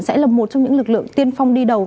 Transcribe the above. sẽ là một trong những lực lượng tiên phong đi đầu